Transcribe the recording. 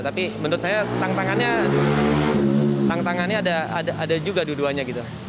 tapi menurut saya tantangannya tantangannya ada juga dua duanya gitu